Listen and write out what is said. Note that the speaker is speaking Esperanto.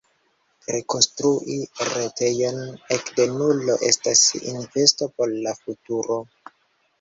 Rekonstrui retejon ekde nulo estas investo por la futuro.